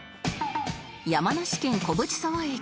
山梨県小淵沢駅